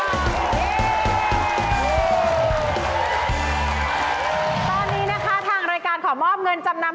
ตอนนี้นะคะทางรายการขอมอบเงินจำนำ